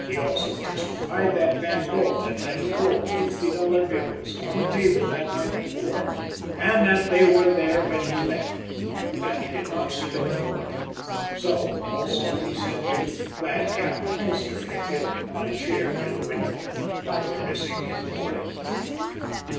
He also testified that Van Bult had left four fifty dollar bills on the table the night before and that they were there when he left, but that he did not see them in the morning; so, also, he said the plaid cap and ulster had been on a chair near the window, but were missing in the morning.